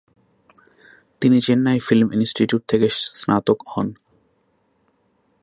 তিনি Chennai film institute থেকে স্নাতক হন।